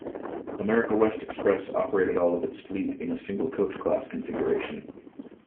America West Express operated all of its fleet in a single coach class configuration.